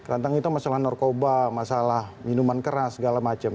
tentang itu masalah narkoba masalah minuman keras segala macam